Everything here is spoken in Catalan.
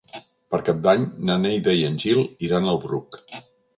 Per Cap d'Any na Neida i en Gil iran al Bruc.